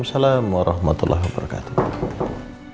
waalaikumsalam warahmatullahi wabarakatuh